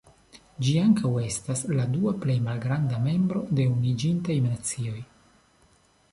Ĝi ankaŭ estas la dua plej malgranda membro de Unuiĝintaj Nacioj.